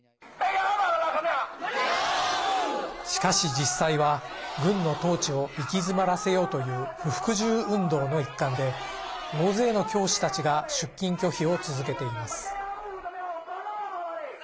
しかし、実際は軍の統治を行き詰まらせようという不服従運動の一環で大勢の教師たちが出勤拒否を続けています。